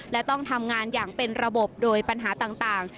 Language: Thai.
และต้องทำงานอย่างเป็นระบบโดยปัญหาต่าง